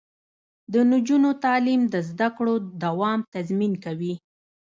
د نجونو تعلیم د زدکړو دوام تضمین کوي.